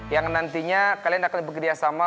yang nantinya kalian akan bekerjasama